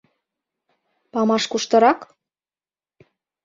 Памаш куштырак?